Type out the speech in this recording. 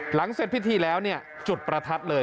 เสร็จพิธีแล้วจุดประทัดเลย